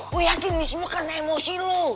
gue yakin ini semua karena emosi lo